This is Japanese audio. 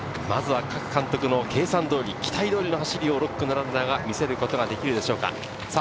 まずは各監督の計算通り、期待通りの走りを６区のランナーがすることができるでしょうか？